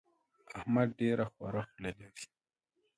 احمد تل ډېره خوره خوله لري.